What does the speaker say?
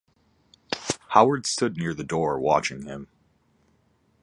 Howard stood near the door watching him.